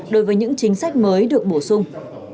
đối với những chính sách mới được bổ sung